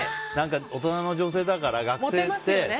大人の女性だから、学生って。